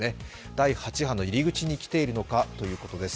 第８波の入り口に来ているのかということです。